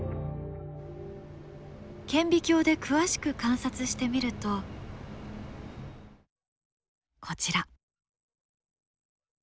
顕微鏡で詳しく観察してみるとこちら。